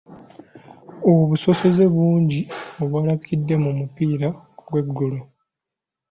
Obusosoze bungi obwalabikidde mu mupiira gw'eggulo.